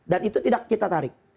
dan itu tidak kita tarik